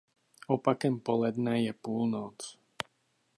Opakem poledne je půlnoc.